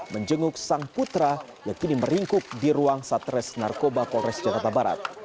menjenguk sang putra yang kini meringkuk di ruang satres narkoba polres jakarta barat